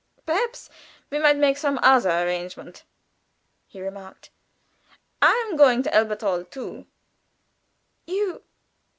"Perhaps we might make some other arrangement," he remarked. "I am going to Elberthal too." "You!